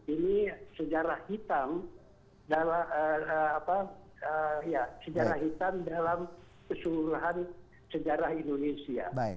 ini sejarah hitam dalam keseluruhan sejarah indonesia